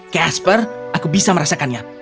kasper aku bisa merasakannya